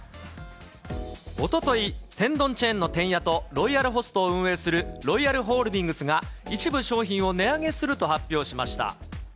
おととい、天丼チェーンのてんやとロイヤルホストを運営するロイヤルホールディングスが、一部商品を値上げすると発表しました。